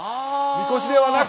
みこしではなく！